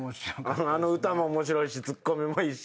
あの歌も面白いしツッコミもいいし。